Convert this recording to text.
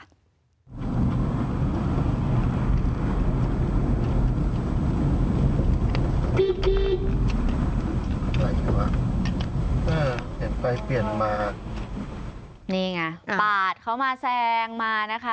นี่ไงเปลี่ยนมานี่ไงปาดเขามาแซงมานะคะ